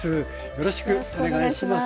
よろしくお願いします。